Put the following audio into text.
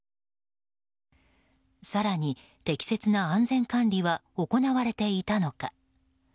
更に、適切な安全管理は行われていたのか。